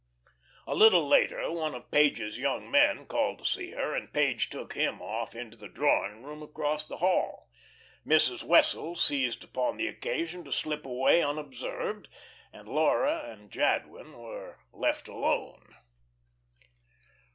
A little later one of Page's "young men" called to see her, and Page took him off into the drawing room across the hall. Mrs. Wessels seized upon the occasion to slip away unobserved, and Laura and Jadwin were left alone.